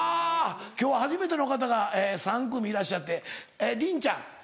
今日初めての方が３組いらっしゃってりんちゃん。